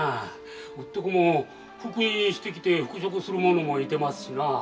うっとこも復員してきて復職する者もいてますしなあ。